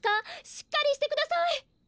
しっかりしてください！